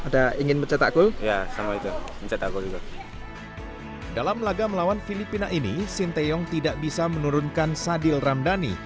dalam laga melawan filipina ini sinteyong tidak bisa menurunkan sadil ramdhani